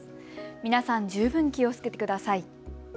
皆さん、十分気をつけてください。